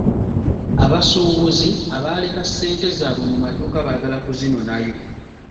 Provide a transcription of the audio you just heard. Abasuubuzi abaaleka ssente zaabwe mu maduuka baagala kuzinoonayo.